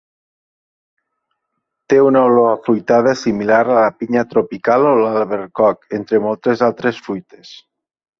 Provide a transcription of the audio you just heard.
Té una olor afruitada similar a la pinya tropical o l'albercoc entre moltes altres fruites.